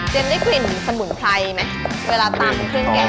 เจมส์ได้กลิ่นสมุดไพรไหมเวลาตำขึ้นแกง